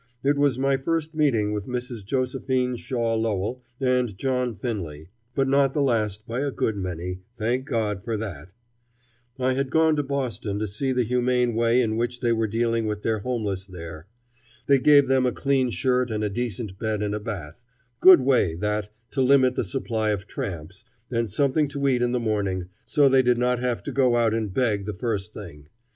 It was my first meeting with Mrs. Josephine Shaw Lowell and John Finley, but not the last by a good many, thank God for that! I had gone to Boston to see the humane way in which they were dealing with their homeless there. They gave them a clean shirt and a decent bed and a bath good way, that, to limit the supply of tramps and something to eat in the morning, so they did not have to go out and beg the first thing.